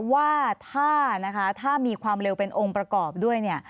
ว่าถ้ามีความเร็วเป็นองค์ประกอบด้วย